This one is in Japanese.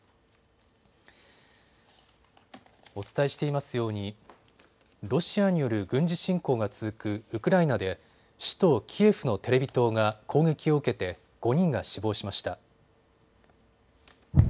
お伝えしていますようにロシアによる軍事侵攻が続くウクライナで首都キエフのテレビ塔が攻撃を受けて５人が死亡しました。